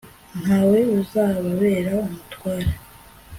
nta we uzababera umutware